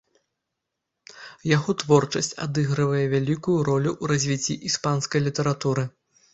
Яго творчасць адыгрывае вялікую ролю ў развіцці іспанскай літаратуры.